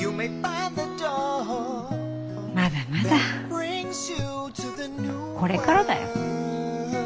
まだまだこれからだよ。